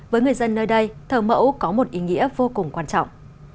với người dân nơi đây thờ mẫu có một ý nghĩa vô cùng quan trọng